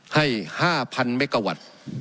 ให้๕๐๐เมกาวัตต์